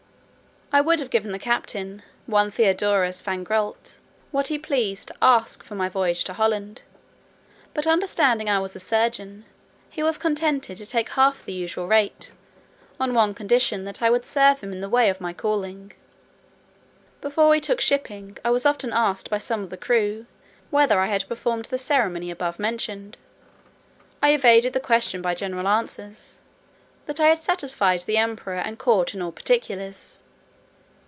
I would have given the captain (one Theodorus Vangrult) what he pleased to ask for my voyage to Holland; but understanding I was a surgeon, he was contented to take half the usual rate, on condition that I would serve him in the way of my calling. Before we took shipping, I was often asked by some of the crew, whether I had performed the ceremony above mentioned. I evaded the question by general answers; "that I had satisfied the Emperor and court in all particulars."